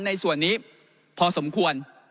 ในส่วนนี้พอสมควร